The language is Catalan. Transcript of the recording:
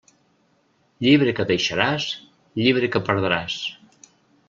Llibre que deixaràs, llibre que perdràs.